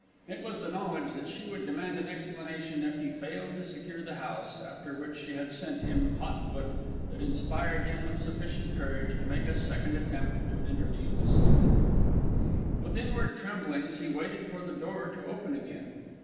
It was the knowledge that she would demand an explanation if he failed to secure the house, after which she had sent him hot foot, that inspired him with sufficient courage to make a second attempt to interview Mrs. Bindle. With inward tremblings, he waited for the door to open again.